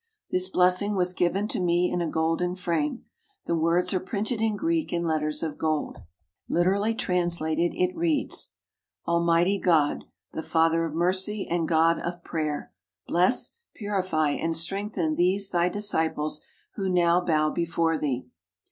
This blessing was given to me in a golden frame. The words are printed in Greek in letters of gold. Literally translated, it reads: Almighty God., the Father of Mercy and God of Prayer, bless, purify, and strengthen these Thy disciples who now bow before Thee.